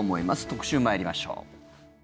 特集参りましょう。